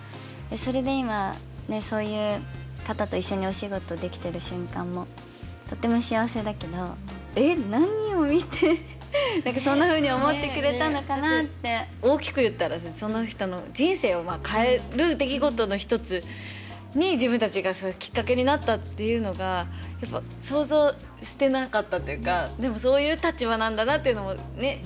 それで今ねっそういう方と一緒にお仕事できてる瞬間もとっても幸せだけどえっ何を見てそんなふうに思ってくれたのかなって大きく言ったらさその人の人生をまあ変える出来事の一つに自分たちがそういうきっかけになったっていうのがやっぱ想像してなかったっていうかでもそういう立場なんだなっていうのもね